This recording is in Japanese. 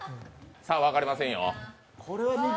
さあ、分かりませんよ。